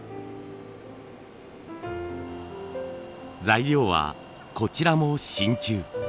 材料はこちらも真鍮。